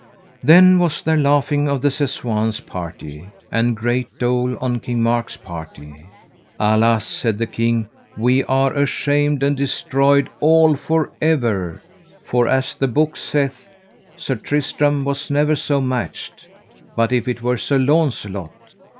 Then was there laughing of the Sessoins' party, and great dole on King Mark's party. Alas, said the king, we are ashamed and destroyed all for ever: for as the book saith, Sir Tristram was never so matched, but if it were Sir Launcelot.